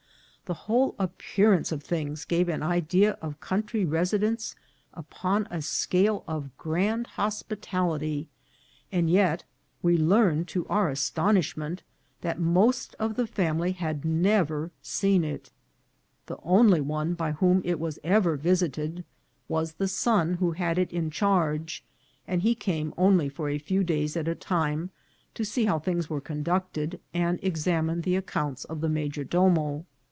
The whole appearance of things gave an idea of country residence upon a scale of grand hospi tality, and yet we learned, to our astonishment, that most of the family had never seen it. The only one by whom it was ever visited was the son who had it in charge, and he came only for a few days at a time, to see how things were conducted, and examine the ac counts of the major domo.